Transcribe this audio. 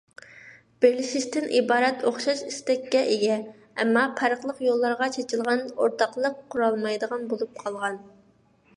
بىرلىشىشتىن ئىبارەت ئوخشاش ئىستەككە ئىگە، ئەمما پەرقلىق يوللارغا چېچىلغان، ئورتاقلىق قۇرالمايدىغان بولۇپ قالغان.